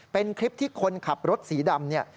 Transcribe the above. เป็นคลิปที่คนขับรถสีดำเนี่ย